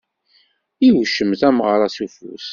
Iwqem tameɣṛa s ufus.